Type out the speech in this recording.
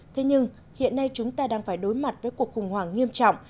thế nhưng hiện nay chúng ta đang phải đối mặt với cuộc khủng hoảng nghiêm trọng